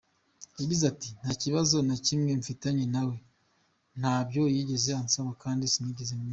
Yagize ati“Nta kibazo na kimwe mfitanye nawe, ntabyo yigeze ansaba kandi sinigeze mubuza.